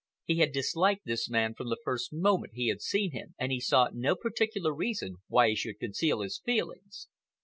He had disliked this man from the first moment he had seen him, and he saw no particular reason why he should conceal his feelings.